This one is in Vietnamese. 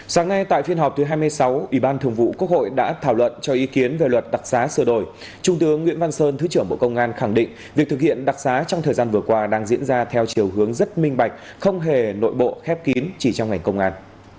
sáng nay tại phiên họp thứ hai mươi sáu ủy ban thường vụ quốc hội đã thảo luận cho ý kiến về luật đặc giá sửa đổi trung tướng nguyễn văn sơn thứ trưởng bộ công an khẳng định việc thực hiện đặc xá trong thời gian vừa qua đang diễn ra theo chiều hướng rất minh bạch không hề nội bộ khép kín chỉ trong ngành công an